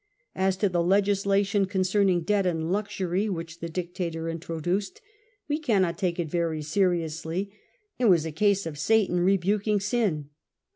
As to the legislation concerning debt and ''luxury'* which the dictator introduced, we cannot take it very seriously : it was a case of " Satan rebuking Sin."